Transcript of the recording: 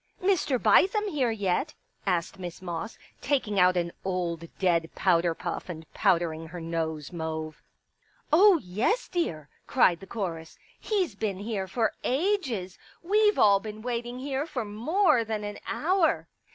" Mr. Bithem here yet ?" asked Miss Moss, taking out an old dead powder puff and powdering] her nose mauve. " Oh, yes, dear," cried the chorus. *' He's been here for ages. We've all been waiting here for more than an hour."